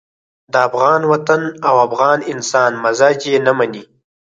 د افغان وطن او افغان انسان مزاج یې نه مني.